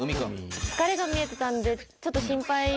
疲れが見えてたんでちょっと心配ですね。